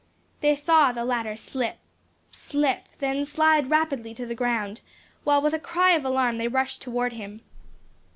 They saw the ladder slip, slip then slide rapidly to the ground, while with a cry of alarm they rushed toward him.